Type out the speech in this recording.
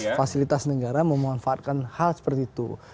fasilitas negara memanfaatkan hal seperti itu